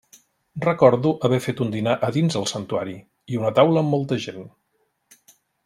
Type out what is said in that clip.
Recordo haver fet un dinar a dins el santuari, i una taula amb molta gent.